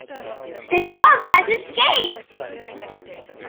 The cub has escaped!